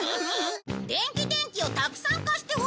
伝記電気をたくさん貸してほしい？